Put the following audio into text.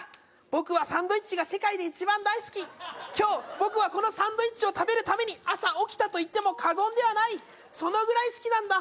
僕はサンドイッチが世界で一番大好き今日僕はこのサンドイッチを食べるために朝起きたと言っても過言ではないそのぐらい好きなんだ